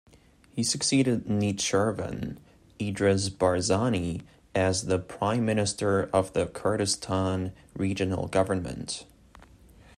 He succeeded Nechervan Idris Barzani as the Prime Minister of the Kurdistan Regional Government.